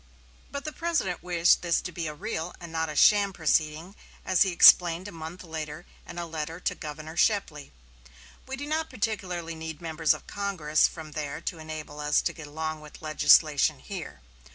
But the President wished this to be a real and not a sham proceeding, as he explained a month later in a letter to Governor Shepley: "We do not particularly need members of Congress from there to enable us to get along with legislation here.